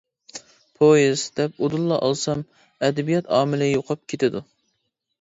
«پويىز» دەپ ئۇدۇللا ئالسام، ئەدەبىيات ئامىلى يوقاپ كېتىدۇ.